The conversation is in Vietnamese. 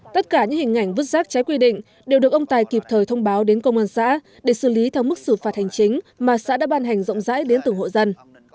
tất cả những hình ảnh vứt rác trái quy định đều được ông tài kịp thời thông báo đến công an xã để xử lý theo mức xử phạt hành chính mà xã đã ban hành rộng rãi đến từng hộ dân